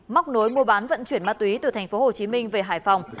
móc nối mua bán vận chuyển ma túy từ tp hcm về hải phòng